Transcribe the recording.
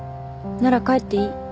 なら帰っていい。